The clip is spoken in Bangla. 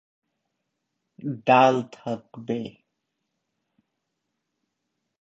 ডাল থাকবে।